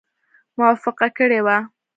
موافقه کړې وه.